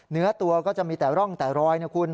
เนื้อตัวก็จะมีแต่ร่องแต่รอยนะคุณ